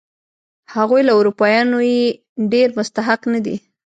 هغوی له اروپایانو یې ډېر مستحق نه دي.